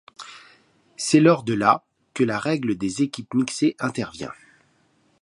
C'est lors de la que la règle des équipes mixées intervient.